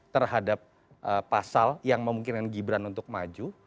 terhadap pasal yang memungkinkan gibran untuk maju